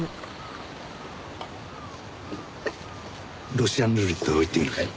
ロシアンルーレットいってみるかい？